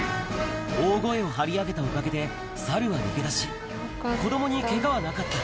大声を張り上げたおかげで、猿は逃げ出し、子どもにけがはなかった。